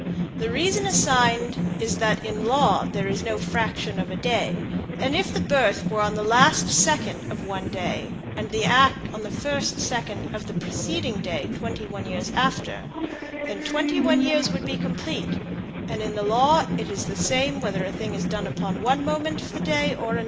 The reason assigned is that in law there is no fraction of a day; and if the birth were on the last second of one day and the act on the first second of the preceding day twenty one years after, then twenty one years would be complete, and in the law it is the same whether a thing is done upon one moment of the day or another."